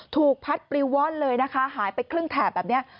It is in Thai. ถูกพัดปลิวว่อนเลยนะคะหายไปครึ่งแถบแบบนี้